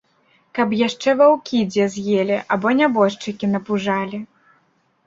Каб яшчэ ваўкі дзе з'елі або нябожчыкі напужалі.